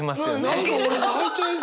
何か俺泣いちゃいそうで！